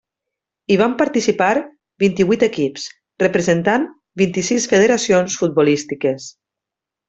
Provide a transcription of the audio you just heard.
Hi van participar vint-i-vuit equips, representant vint-i-sis federacions futbolístiques.